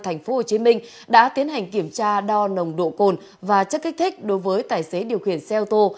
thành phố hồ chí minh đã tiến hành kiểm tra đo nồng độ cồn và chất kích thích đối với tài xế điều khiển xe ô tô